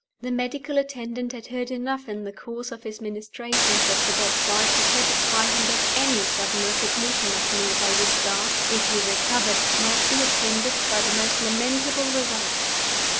The medical attendant had heard enough in the course of his ministrations at the bedside, to satisfy him that any sudden recognition of me by Eustace (if he recovered) might be attended by the most lamentable results.